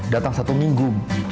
datang satu minggu